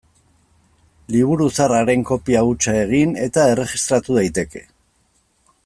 Liburu zahar haren kopia hutsa egin eta erregistratu daiteke.